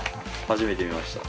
初めて見ました。